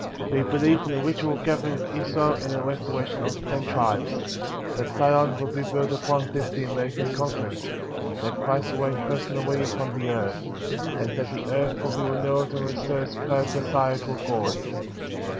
10. We believe in the literal gathering of Israel and in the restoration of the Ten Tribes ; that Zion will be built upon this [the American] continent; that Christ will reign personally upon the earth; and, that the earth will be renewed and receive its paradisiacal glory.